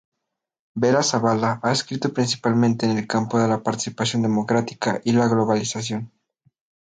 Vera-Zavala ha escrito principalmente en el campo de la participación democrática y la globalización.